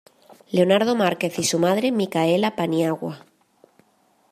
Leonardo Márquez y su madre Micaela Paniagua.